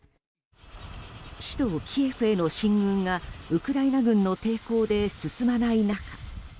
首都キエフへの進軍がウクライナ軍の抵抗で進まない中